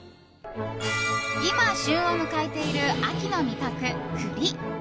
今、旬を迎えている秋の味覚、栗！